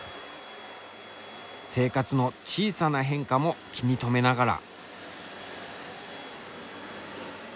生活の小さな変化も気に留めながら。